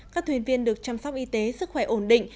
các thuyền viên được chăm sóc y tế sức khỏe ổn định